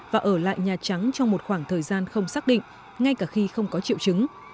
và ở lại nhà trắng trong một khoảng thời gian không xác định ngay cả khi không có triệu chứng